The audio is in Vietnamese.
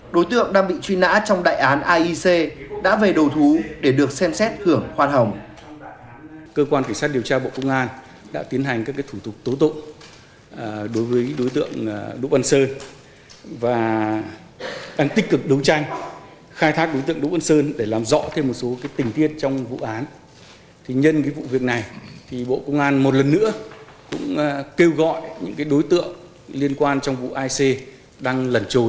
đối tượng đang bị truy nã trong đại án aic đã về đầu thú để được xem xét hưởng khoan hồng